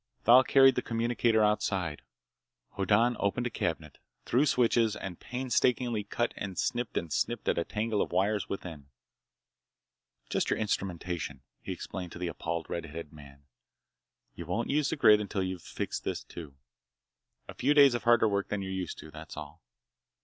Thal carried the communicator outside. Hoddan opened a cabinet, threw switches, and painstakingly cut and snipped and snipped at a tangle of wires within. "Just your instrumentation," he explained to the appalled red headed man. "You won't use the grid until you've got this fixed, too. A few days of harder work than you're used to. That's all!"